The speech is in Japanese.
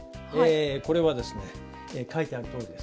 これはですね書いてあるとおりです。